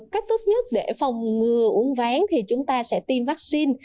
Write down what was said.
cách tốt nhất để phòng ngừa uống ván thì chúng ta sẽ tiêm vaccine